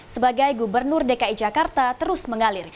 sebagai gubernur dki jakarta terus mengalir